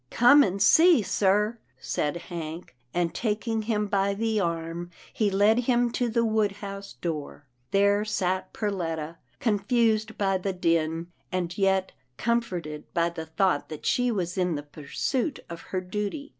" Come and see, sir," said Hank, and, taking him by the arm, he led him to the wood house door. There sat Perletta, confused by the din, and yet comf orted by the thought that she was in the pursuit of her duty.